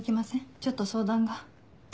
ちょっと相談が。